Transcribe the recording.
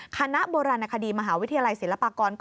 คณะโบราณคดีมหาวิทยาลัยศิลปากร